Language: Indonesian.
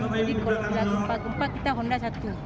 jadi kalau kempat kempat kita honda satu